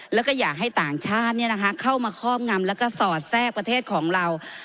แล้วก็อยากให้ต่างชาติเข้ามาครอบงำแล้วก็สอดแทรกประเทศของเรา